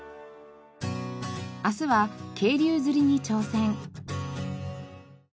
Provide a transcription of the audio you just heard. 明日は渓流釣りに挑戦。